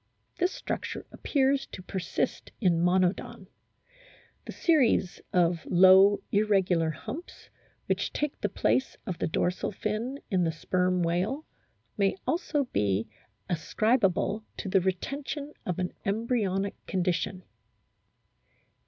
This structure appears to persist in Monodon. The series of low, irregular humps which take the place of the 14 A BOOK OF WHALES dorsal fin in the Sperm whale may also be ascribable to the retention of an embryonic condition.